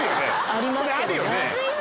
ありますけどね